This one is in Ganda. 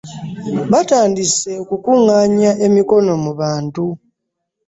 Batandise okukungaanya emikono mu bantu